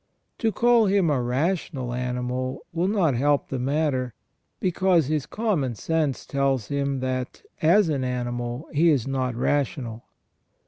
To call him a rational animal will not help the matter, because his common sense tells him that as an animal he is not rational.